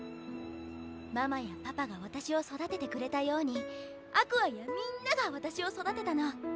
ママやパパが私を育ててくれたようにＡｑｏｕｒｓやみんなが私を育てたの。